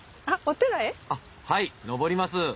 あっはい登ります。